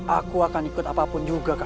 aku akan ikut apapun juga